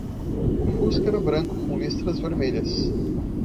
O fusca era branco com listras vermelhas.